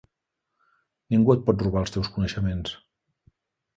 Ningú et pot robar els teus coneixements.